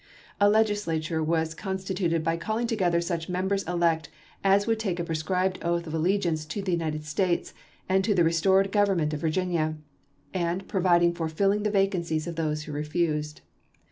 A Legislature was constituted by^calling together such members elect as would take a prescribed oath of allegiance to the United States and to the restored government of Virginia, and providing for filling the vacancies of those who refused.